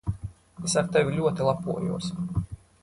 Es ar tevi ļoti lepojos.